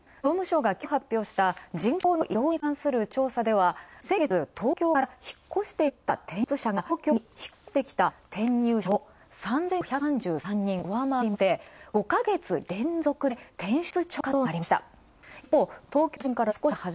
総務省がきょう発表した人口の移動に関する調査では、先月東京から引っ越していった転出者が、東京に引っ越してきた転入者を３５３３人、上回りまして５ヶ月連続で転出超過となりました。